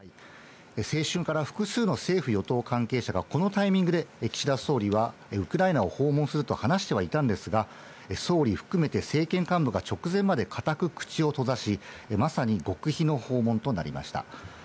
先週から複数の政府・与党関係者が、このタイミングで岸田総理はウクライナを訪問すると話してはいたんですが、総理含めて政権幹部が直前まで固く口を閉ざし、まさに極秘の訪問となりました。